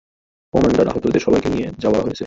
Commander, আহতদের সবাইকে নিয়ে যাওয়া হয়েছে।